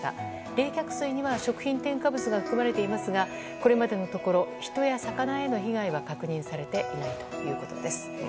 冷却水には食品添加物が含まれていますがこれまでのところ人や魚への被害は確認されていないということです。